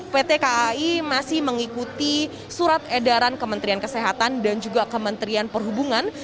pt kai masih mengikuti surat edaran kementerian kesehatan dan juga kementerian perhubungan